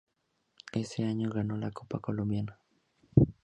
Ese año ganó la Copa Colombia.